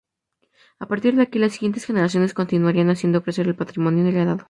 A partir de aquí, las siguientes generaciones continuarían haciendo crecer el patrimonio heredado.